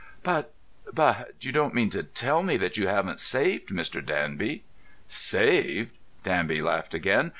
"But—but you don't mean to tell me that you haven't saved, Mr. Danby?" "Saved?" Danby laughed again.